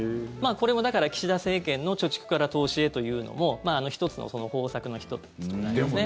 これも岸田政権の貯蓄から投資へというのも１つの方策の１つですね。